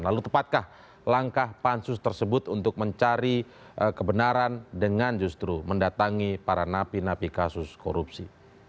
lalu tepatkah langkah pansus tersebut untuk mencari kebenaran dengan justru mendatangi para napi napi kasus korupsi